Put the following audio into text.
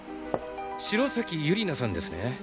城崎ゆり菜さんですね？